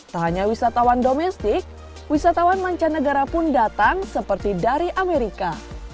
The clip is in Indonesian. tak hanya wisatawan domestik wisatawan mancanegara pun datang seperti dari amerika